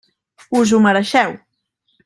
Us ho mereixeu.